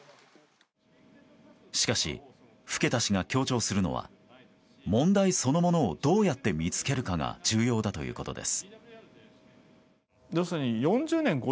しかし、更田氏が強調するのは問題そのものをどうやって見つけるかが重要だということです。